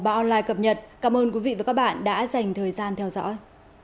và online cập nhật cảm ơn quý vị và các bạn đã dành thời gian theo dõi